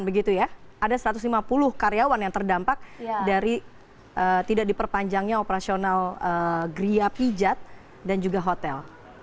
begitu ya ada satu ratus lima puluh karyawan yang terdampak dari tidak diperpanjangnya operasional geria pijat dan juga hotel